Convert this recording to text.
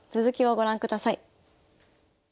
続きをご覧ください。